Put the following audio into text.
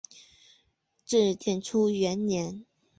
至建初元年。